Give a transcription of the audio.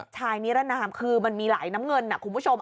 ชายนี้แหละนะครับคือมันมีหลายน้ำเงินนะคุณผู้ชม